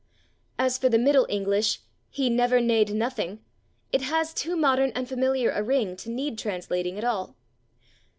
As for the Middle English "he /never/ nadde /nothing/," it has too modern and familiar a ring to need translating at all.